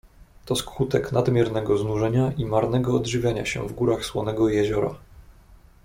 "To skutek nadmiernego znużenia i marnego odżywiania się w górach Słonego Jeziora."